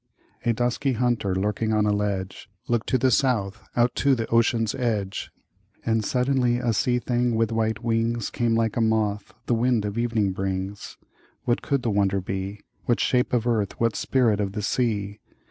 A dusky hunter lurking on a ledgeLooked to the south, out to the ocean's edgeAnd suddenly a sea thing with white wingsCame like a moth the wind of evening brings. What could the wonder be? What shape of earth, what spirit of the sea?